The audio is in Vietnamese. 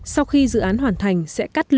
sau khi dự án hoàn thành dự án đã được phát triển